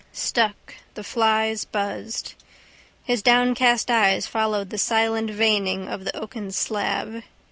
Stuck, the flies buzzed. His downcast eyes followed the silent veining of the oaken slab.